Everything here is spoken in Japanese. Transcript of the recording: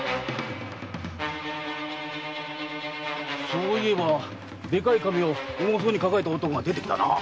そういえばでかい瓶を重そうに抱えた男が出てきたな。